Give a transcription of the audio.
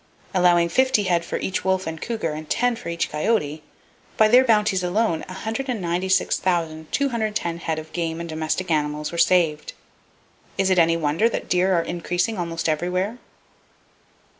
Allowing fifty head for each wolf and cougar and ten for each coyote, by their bounties alone 196,210 head of game and domestic animals were saved. Is it any wonder that deer are increasing almost everywhere?"